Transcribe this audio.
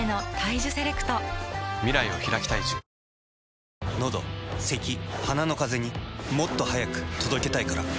何が？のどせき鼻のカゼにもっと速く届けたいから。